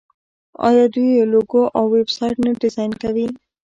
آیا دوی لوګو او ویب سایټ نه ډیزاین کوي؟